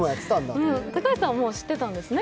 高橋さんは答えを知ってたんですね？